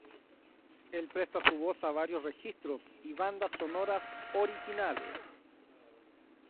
Él presta su voz a varios registros y bandas sonoras originales.